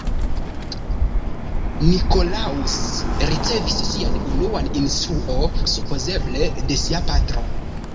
Nicolaus ricevis sian unuan instruo supozeble de sia patro.